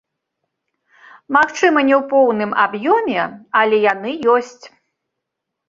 Магчыма, не ў поўным аб'ёме, але яны ёсць.